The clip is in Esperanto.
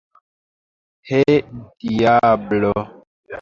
He, diablo!